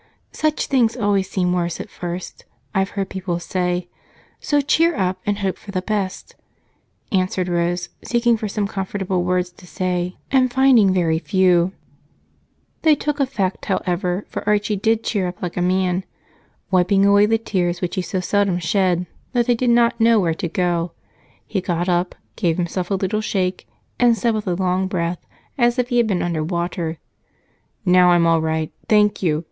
Such things always seem worst at first, I've heard people say, so cheer up and hope for the best," answered Rose, seeking for some comfortable words to say and finding very few. They took effect, however, for Archie did cheer up like a man. Wiping away the tears which he so seldom shed that they did not know where to go, he got up, gave himself a little shake, and said with a long breath, as if he had been underwater: "Now I'm all right, thank you.